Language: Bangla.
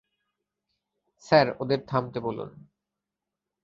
স্যার, ওদের থামতে বলুন।